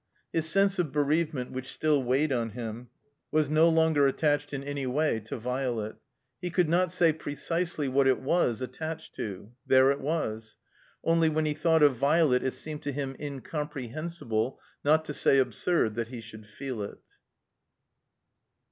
His sense of bereavement which still weighed on him was no longer attached in any way to Violet. He could not say precisely what it was attached to. There it was. Only, when he thought of Violet it seemed to him incomprehensible, not to say absurd, that he diould feel it.